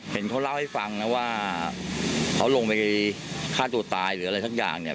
เห็นเขาเล่าให้ฟังนะว่าเขาลงไปฆ่าตัวตายหรืออะไรสักอย่างเนี่ย